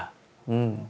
うん。